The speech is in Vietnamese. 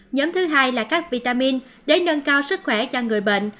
nhóm thứ hai là các vitamin để nâng cao sức khỏe cho người bệnh